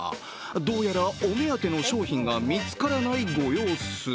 どうやらお目当ての商品が見つからないご様子。